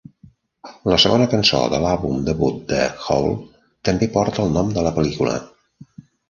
La segona cançó de l'àlbum debut de Hole també porta el nom de la pel·lícula.